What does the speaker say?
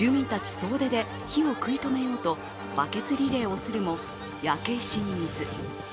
総出で火を食い止めようとバケツリレーをするも、焼け石に水。